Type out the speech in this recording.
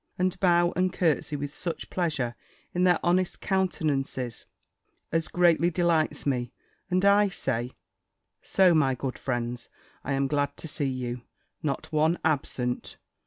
and bow and curtsey with such pleasure in their honest countenances as greatly delights me: and I say, "So my good friends I am glad to see you Not one absent!"